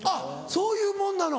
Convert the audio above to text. そういうもんなの。